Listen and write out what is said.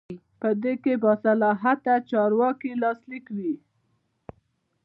په دې کې د باصلاحیته چارواکي لاسلیک وي.